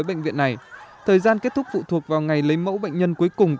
bệnh viện cũng đã có kế hoạch về phong lùng sàng lọc bệnh nhanh và áp dụng